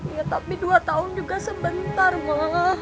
iya tapi dua tahun juga sebentar banget